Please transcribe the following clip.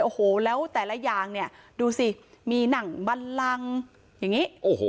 โอ้โหแล้วแต่ละอย่างเนี่ยดูสิมีหนังบันลังอย่างนี้โอ้โห